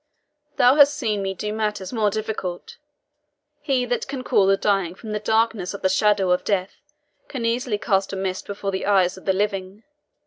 Thou hast seen me do matters more difficult he that can call the dying from the darkness of the shadow of death can easily cast a mist before the eyes of the living.